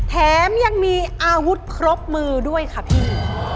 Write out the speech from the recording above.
แถมยังมีอาวุธครบมือด้วยค่ะพี่